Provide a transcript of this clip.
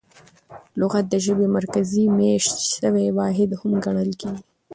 لغت د ژبي مرکزي مېشت سوی واحد هم ګڼل کیږي.